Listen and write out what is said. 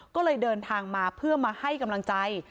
ก็เลยเดินทางมาเพื่อมาให้กำลังใจ